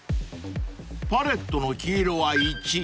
［パレットの黄色は１］